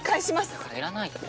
だからいらないって。